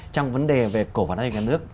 trong vấn đề về cổ phán doanh nghiệp nhà nước